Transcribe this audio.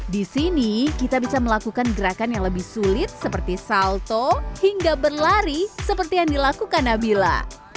di sini kita bisa melakukan gerakan yang lebih sulit seperti salto hingga berlari seperti yang dilakukan nabila